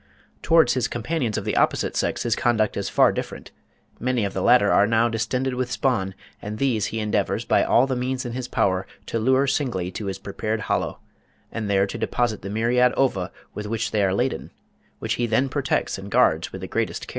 Towards his companions of the opposite sex his conduct is far different; many of the latter are now distended with spawn, and these he endeavours by all the means in his power to lure singly to his prepared hollow, and there to deposit the myriad ova with which they are laden, which he then protects and guards with the greatest care."